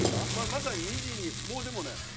まさに２時にもうでもね。